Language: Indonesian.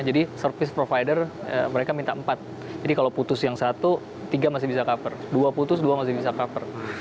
jadi service provider mereka minta empat jadi kalau putus yang satu tiga masih bisa cover dua putus dua masih bisa cover